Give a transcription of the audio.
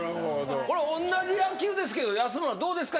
これおんなじ野球ですけど安村どうですか？